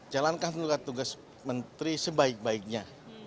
jalankan tugas menteri sebaik baiknya